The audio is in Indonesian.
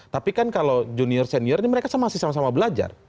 tapi kan kalau junior senior ini mereka masih sama sama belajar